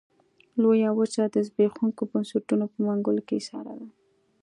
لویه وچه د زبېښونکو بنسټونو په منګلو کې ایساره ده.